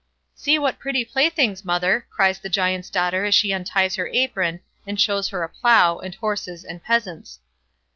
"See what pretty playthings, mother!" cries the Giants' daughter as she unties her apron, and shows her a plough, and horses, and peasants.